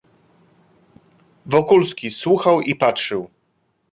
"Wokulski słuchał i patrzył."